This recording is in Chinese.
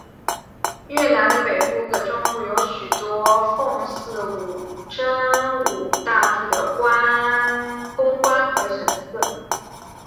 越南的北部和中部有许多奉祀真武大帝的宫观和神祠。